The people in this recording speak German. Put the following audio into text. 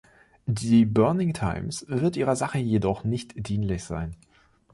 „The Burning Times“ wird ihrer Sache jedoch nicht dienlich sein.